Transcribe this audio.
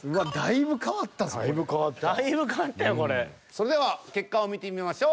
それでは結果を見てみましょう。